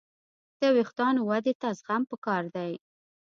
د وېښتیانو ودې ته زغم پکار دی.